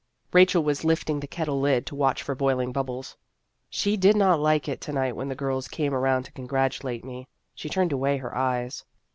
Rachel was lifting the kettle lid to watch for boiling bubbles. " She did not like it to night when the girls came around to congratulate me ; she turned away her eyes."